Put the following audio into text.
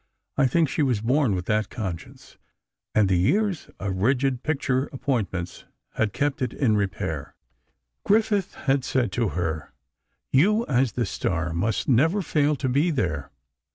I think she was born with that conscience, and the years of rigid picture appointments had kept it in repair. Griffith had said to her: "You, as the star, must never fail to be there.